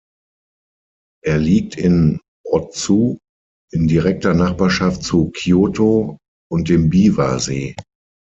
Er liegt in Ōtsu in direkter Nachbarschaft zu Kyōto und dem Biwa-See.